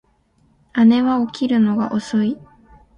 姉は起きるのが遅い